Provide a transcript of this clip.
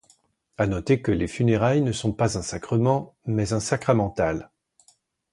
À noter que les funérailles ne sont pas un sacrement, mais un sacramental.